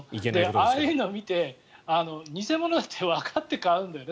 ああいうのを見て偽物だってわかって買うんだよね。